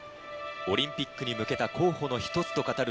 オリンピックに向けた候補の一つと語る